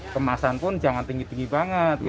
kemasan pun jangan tinggi tinggi banget